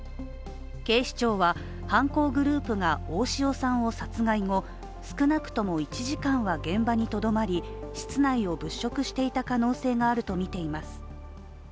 警視庁は犯行グループが大塩さんを殺害後、少なくとも１時間は現場にとどまり室内を物色していた可能性があるとみています。